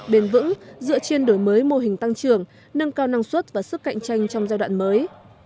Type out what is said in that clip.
bền vững dựa trên đổi mới mô hình tăng trưởng nâng cao năng suất và sức cạnh tranh trong giai đoạn mới